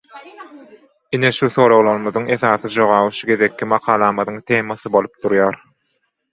Ine şu soraglarymyzyň esasy jogaby şu gezekki makalamyzyň temasy bolup durýar.